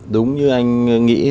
đúng như anh nghĩ